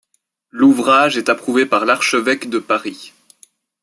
L'ouvrage est approuvé par l'archevêque de Paris.